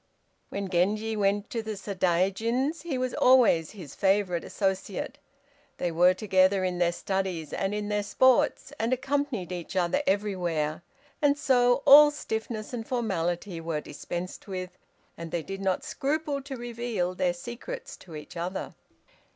When Genji went to the Sadaijin's he was always his favorite associate; they were together in their studies and in their sports, and accompanied each other everywhere. And so all stiffness and formality were dispensed with, and they did not scruple to reveal their secrets to each other.